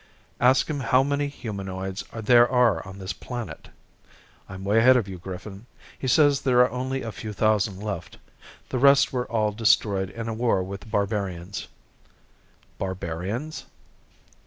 "Ask him how many humanoids there are on this planet." "I'm way ahead of you, Griffin. He says there are only a few thousand left. The rest were all destroyed in a war with the barbarians." "Barbarians?"